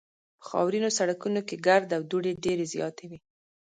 په خاورینو سړکونو کې ګرد او دوړې ډېرې زیاتې وې